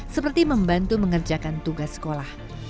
seperti membantu mengerjakan tugas sekolah